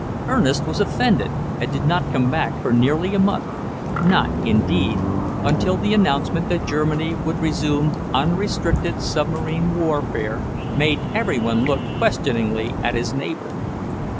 Ernest was offended and did not come back for nearly a month not, indeed, until the announcement that Germany would resume unrestricted submarine warfare made every one look questioningly at his neighbour.